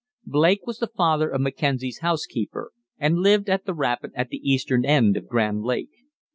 Blake was the father of Mackenzie's housekeeper, and lived at the rapid at the eastern end of Grand Lake.